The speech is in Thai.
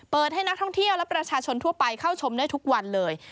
ให้นักท่องเที่ยวและประชาชนทั่วไปเข้าชมได้ทุกวันเลย